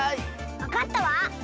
わかったわ！